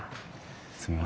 すみません